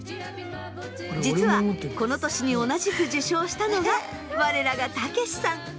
実はこの年に同じく受章したのが我らがたけしさん。